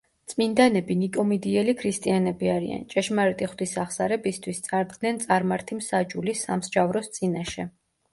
წმინდანები ნიკომიდიელი ქრისტიანები არიან, ჭეშმარიტი ღვთის აღსარებისთვის წარდგნენ წარმართი მსაჯულის სამსჯავროს წინაშე.